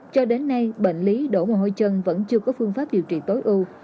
cho đến nay bệnh lý đổ vào hôi chân vẫn chưa có phương pháp điều trị tối ưu